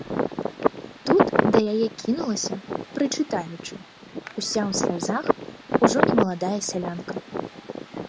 Тут да яе кінулася, прычытаючы, уся ў слязах, ужо не маладая сялянка.